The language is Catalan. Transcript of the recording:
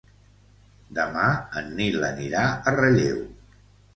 Demà en Nil anirà a Relleu.